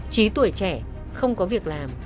trí tuổi trẻ không có việc làm